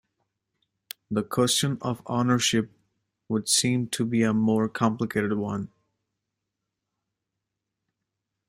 The question of ownership would seem to be a more complicated one.